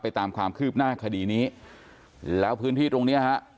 ตามความคืบหน้าคดีนี้แล้วพื้นที่ตรงเนี้ยฮะ